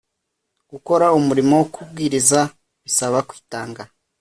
gukora umurimo wo kubwiriza bisaba kwitanga